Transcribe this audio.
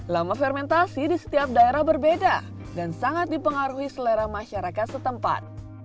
lama fermentasi di setiap daerah berbeda dan sangat dipengaruhi selera masyarakat setempat